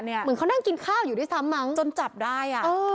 เหมือนเขานั่งกินข้าวอยู่ด้วยซ้ำมั้งจนจับได้